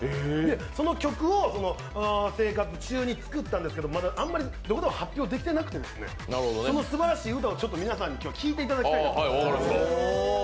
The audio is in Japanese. その曲を自粛生活中に作ったんですけどまだあまり、どこでも発表できてなくて、そのすばらしい歌を皆さんに聴いていただきたいなと。